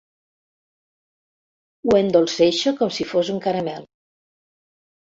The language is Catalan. Ho endolceixo com si fos un caramel.